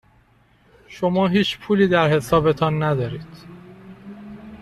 شما هیچ پولی در حسابتان ندارید.